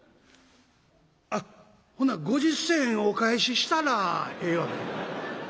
あっほな５０銭お返ししたらええわけ？」。